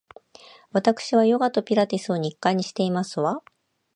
わたくしはヨガとピラティスを日課にしていますわ